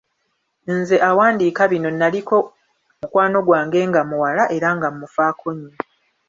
Nze awandiika bino nnalinako mukwano gwange nga muwala era nga mufaako nnyo.